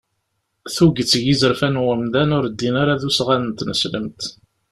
Tuget n yizerfan n wemdan ur ddin ara d usɣan n tneslemt.